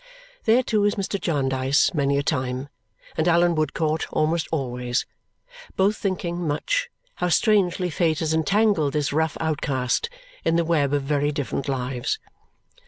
There, too, is Mr. Jarndyce many a time, and Allan Woodcourt almost always, both thinking, much, how strangely fate has entangled this rough outcast in the web of very different lives.